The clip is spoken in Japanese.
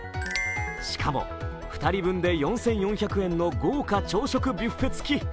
しかも、２人分で４４００円の豪華朝食ビュッフェ付き。